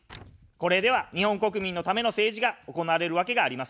これでは日本国民のための政治が行われるわけがありません。